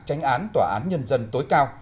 tranh án tòa án nhân dân tối cao